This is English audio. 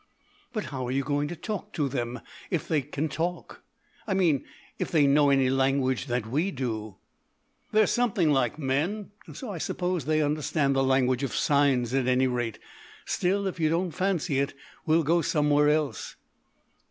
"But how are you going to talk to them, then, if they can talk? I mean, if they know any language that we do?" "They're something like men, and so I suppose they understand the language of signs, at any rate. Still, if you don't fancy it, we'll go somewhere else."